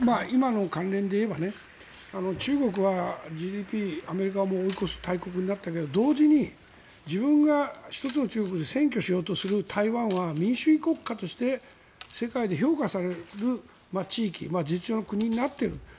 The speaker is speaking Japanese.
今の関連でいえば中国はＧＤＰもうアメリカを追い越す大国になったけど同時に自分が一つの中国で占拠しようとする台湾は民主主義国家として世界で評価される地域事実上の国になっている。